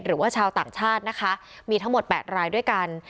หรือว่าชาวต่างชาตินะคะมีทั้งหมด๘รายด้วยกัน